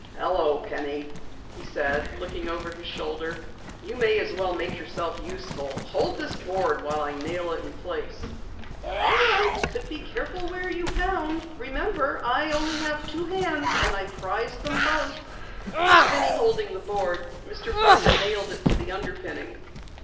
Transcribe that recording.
"Hello, Penny," he said, looking over his shoulder. "You may as well make yourself useful. Hold this board while I nail it in place." "All right, but be careful where you pound. Remember, I have only two hands and I prize them both." With Penny holding the board, Mr. Parker nailed it to the underpinning.